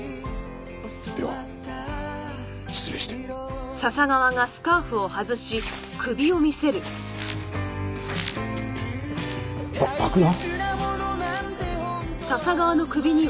では失礼して。ば爆弾！？